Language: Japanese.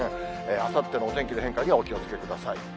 あさってのお天気の変化にはお気をつけください。